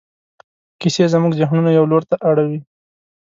کیسې زموږ ذهنونه یوه لور ته اړوي.